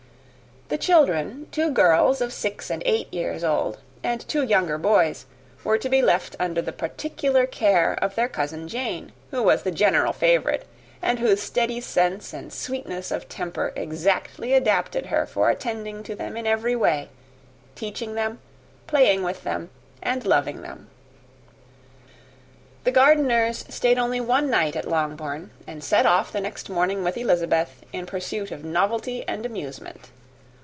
The children, two girls of six and eight years old, and two younger boys, were to be left under the particular care of their cousin Jane, who was the general favourite, and whose steady sense and sweetness of temper exactly adapted her for attending to them in every way teaching them, playing with them, and loving them. The Gardiners stayed only one night at Longbourn, and set off the next morning with Elizabeth in pursuit of novelty and amusement.